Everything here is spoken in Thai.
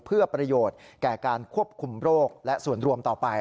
เพื่อประโยชน์แก่การควบคุมโรคและส่วนรวมต่อไป